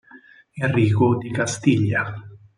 Enrico di Castiglia